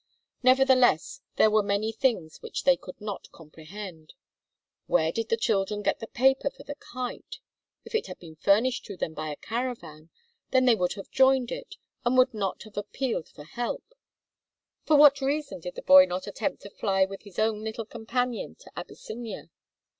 Nevertheless, there were many things which they could not comprehend. Where did the children get the paper for the kite? If it had been furnished to them by a caravan, then they would have joined it and would not have appealed for help. For what reason did the boy not attempt to fly with his little companion to Abyssinia?